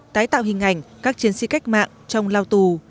tái tạo hình ảnh các chiến sĩ cách mạng trong lao tù